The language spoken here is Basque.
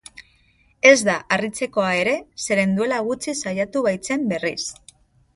Ez da harritzekoa ere, zeren duela gutxi saiatu baitzen berriz.